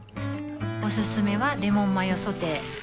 おすすめはレモンマヨソテー